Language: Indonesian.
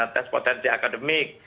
tes potensi akademik